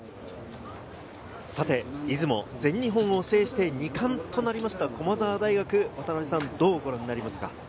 さて、出雲、全日本を制して２冠となりました駒澤大学、渡辺さん、どうご覧になりますか？